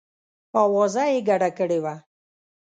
آوازه یې ګډه کړې وه.